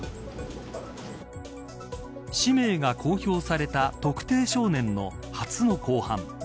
氏名が公表された特定少年の初の公判。